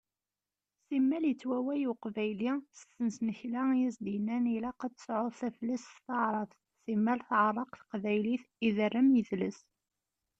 Simmal yettwaway uqbayli s tesnakta i as-d-yennan ilaq ad tesɛuḍ taflest s teɛrabt, simmal tɛerreq teqbaylit, iderrem yidles.